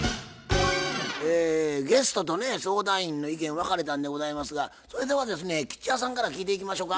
えゲストとね相談員の意見分かれたんでございますがそれではですね吉弥さんから聞いていきましょか。